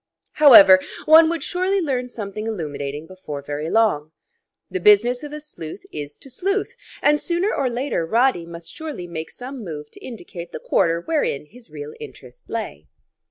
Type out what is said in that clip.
However, one would surely learn something illuminating before very long. The business of a sleuth is to sleuth, and sooner or later Roddy must surely make some move to indicate the quarter wherein his real interest lay.